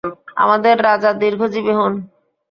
আমাদের রাজা দীর্ঘজীবী হউন!